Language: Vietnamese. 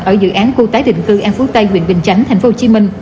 ở dự án khu tái định cư an phú tây huyện bình chánh tp hcm